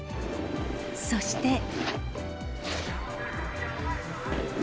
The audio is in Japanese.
そして。